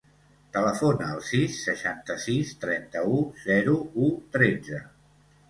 Telefona al sis, seixanta-sis, trenta-u, zero, u, tretze.